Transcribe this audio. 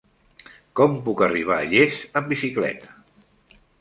Com puc arribar a Llers amb bicicleta?